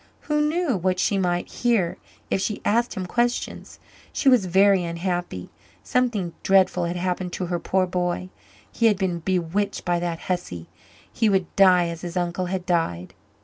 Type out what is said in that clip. Who knew what she might hear if she asked him questions? She was very unhappy. Something dreadful had happened to her poor boy he had been bewitched by that hussy he would die as his uncle had died.